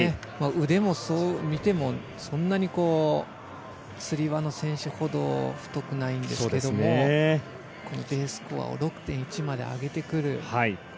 腕を見てもそんなにつり輪の選手ほど太くないんですけどもＤスコアを６．１まで上げてくるこれ